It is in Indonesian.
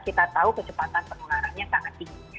kita tahu kecepatan penularannya sangat tinggi